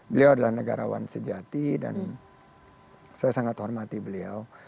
beliau adalah negarawan sejati dan saya sangat hormati beliau